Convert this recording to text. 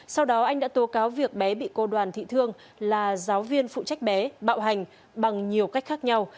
sau đó anh đã tố cáo việc bé bị cô đoàn thị thương là giáo viên phụ trách bé bạo hành bằng nhiều cách khác nhau